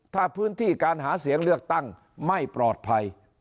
ถ้าพื้นที่การหาเสียงเลือกตั้งไม่ปลอดภัย